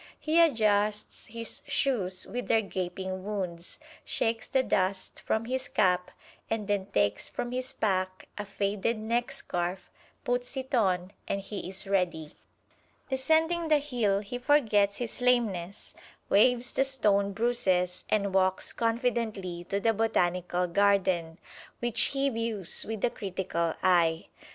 He adjusts his shoes with their gaping wounds, shakes the dust from his cap, and then takes from his pack a faded neckscarf, puts it on and he is ready. Descending the hill he forgets his lameness, waives the stone bruises, and walks confidently to the Botanical Garden, which he views with a critical eye.